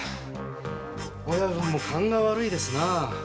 親分も勘が悪いですな。